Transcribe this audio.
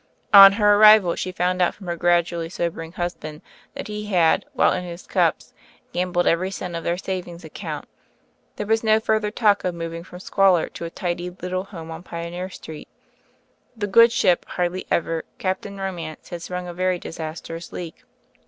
On her ar rival she found out from her gradually sober ing husband that he had, while in his cups, ^mbled every cent of their savings' account. There was no further talk of moving from squalor to a tidy little home on Pioneer Street. The good ship "Hardly Ever," Captain Ro mance, had sprung a very disastrous leak.